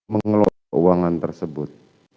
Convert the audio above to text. mengelola keuangan tersebut